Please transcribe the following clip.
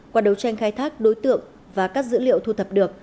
qua đấu tranh khai thác đối tượng và các dữ liệu thu thập được